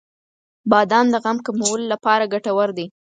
• بادام د غم کمولو لپاره ګټور دی.